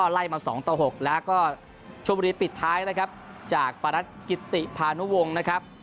ไล่มา๒ต่อ๖แล้วก็ชมบุรีปิดท้ายนะครับจากปรัฐกิติพานุวงศ์นะครับ